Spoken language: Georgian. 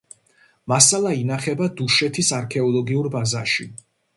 მასალა ინახება დუშეთის არქეოლოგიურ ბაზაში.